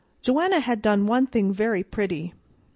"Joanna had done one thing very pretty.